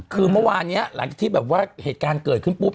คือเมื่อวานนี้หลังจากที่แบบว่าเหตุการณ์เกิดขึ้นปุ๊บ